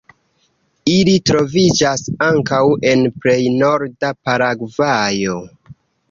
Ili troviĝas ankaŭ en plej norda Paragvajo.